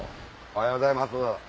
おはようございます